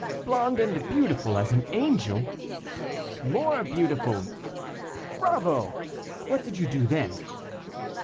"Blonde, and beautiful as an angel?" "More beautiful." "Bravo! what did you do then?"